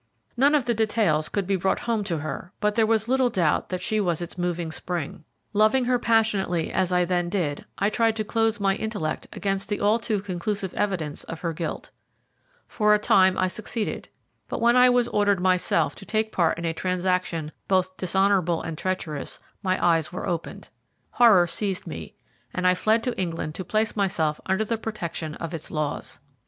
None of the details could be brought home to her, but there was little, doubt that she was its moving spring. Loving her passionately as I then did, I tried to close my intellect against the all too conclusive evidence of her guilt. For a time I succeeded, but when I was ordered myself to take part in a transaction both dishonourable and treacherous, my eyes were opened. Horror seized me, and I fled to England to place myself under the protection of its laws.